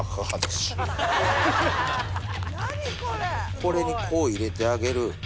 これにこう入れてあげる。